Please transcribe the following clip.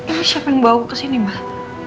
ini siapa yang bawa gue ke sini mbak